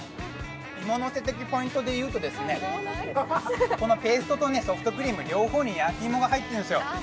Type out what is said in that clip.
イモノセ的ポイントで言うとですね、ペーストとソフトクリーム両方に焼き芋が入っているんですよ。